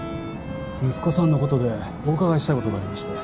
息子さんのことでお伺いしたいことがありまして